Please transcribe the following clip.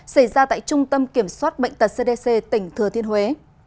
xảy ra tại trung tâm kiểm soát bệnh tật cdc tỉnh thừa thiên huế